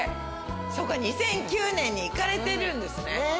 そっか２００９年に行かれてるんですね。